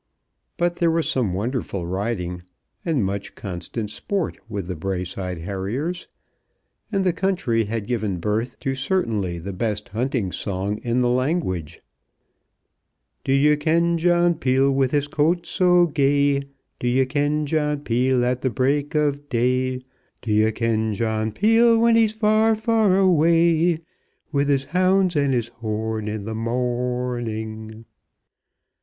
But there was some wonderful riding and much constant sport with the Braeside Harriers, and the country had given birth to certainly the best hunting song in the language; Do you ken John Peel with his coat so gay; Do you ken John Peel at the break of day; Do you ken John Peel when he's far, far away With his hounds and his horn in the morning.